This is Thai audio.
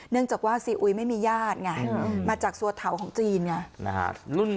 เนื่องจากว่าซีอุยไม่มีญาติงันมาจากสวทาวของจีนอย่างนี้